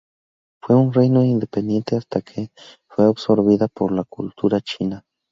Fue un reino independiente hasta que fue absorbida por la cultura china.